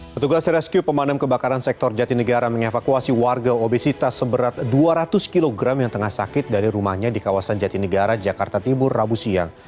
petugas rescue pemadam kebakaran sektor jatinegara mengevakuasi warga obesitas seberat dua ratus kg yang tengah sakit dari rumahnya di kawasan jatinegara jakarta tibur rabu siang